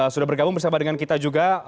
sudah bergabung bersama dengan kita juga